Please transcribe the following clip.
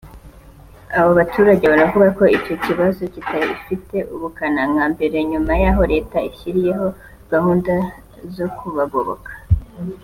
abo baturage baravuga ko icyo kibazo kitagifite ubukana nka mbere nyuma y’aho Leta ishyiriyeho gahunda zo kubagoboka